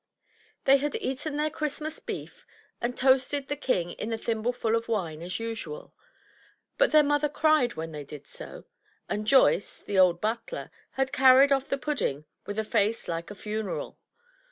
They had eaten their Christmas beef, and toasted the king in a thimbleful of wine, as usual, but their mother cried when they did so; and Joyce, the old butler, had carried off the pudding with a face like a funeral.